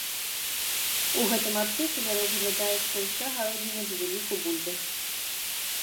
У гэтым артыкуле разглядаецца ўся гародніна без уліку бульбы.